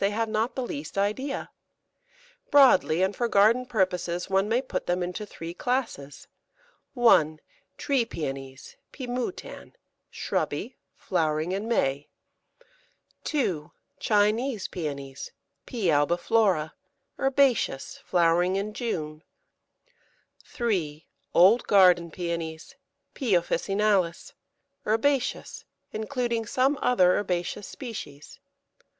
they have not the least idea. Broadly, and for garden purposes, one may put them into three classes 1. Tree Pæonies (P. moutan), shrubby, flowering in May. 2. Chinese Pæonies (P. albiflora), herbaceous, flowering in June. 3. Old garden Pæonies (P. officinalis), herbaceous, including some other herbaceous species.